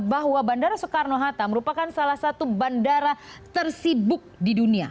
bahwa bandara soekarno hatta merupakan salah satu bandara tersibuk di dunia